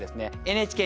ＮＨＫ